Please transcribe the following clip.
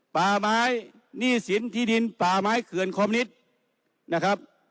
ปลาไม้นี่สินที่ดินปลาไม้เขื่อนคมนิษฐ์